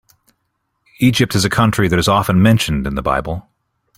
Egypt is a country that is often mentioned in the Bible.